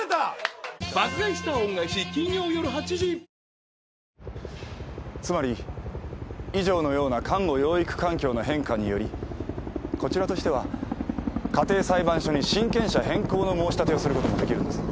瞬感ミストＵＶ「ビオレＵＶ」つまり以上のような監護養育環境の変化によりこちらとしては家庭裁判所に親権者変更の申し立てをすることもできるんです。